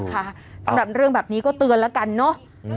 สำหรับเรื่องแบบนี้ก็เตือนแล้วกันเนอะ